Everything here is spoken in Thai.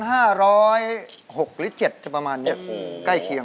๒๕๐๖หรือ๗ประมาณนี้